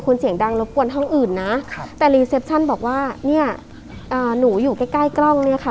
คุณเสียงดังรบกวนห้องอื่นนะครับแต่รีเซปชั่นบอกว่าเนี่ยหนูอยู่ใกล้ใกล้กล้องเนี่ยค่ะ